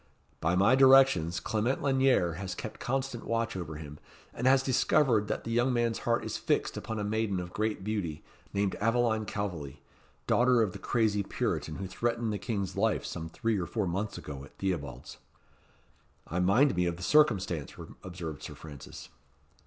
"By my directions Clement Lanyere has kept constant watch over him, and has discovered that the young man's heart is fixed upon a maiden of great beauty, named Aveline Calveley, daughter of the crazy Puritan who threatened the King's life some three or four months ago at Theobalds." "I mind me of the circumstance," observed Sir Francis.